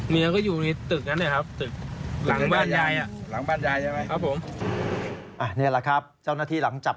เมี้ยก็อยู่ในตึกงานเนี่ยครับ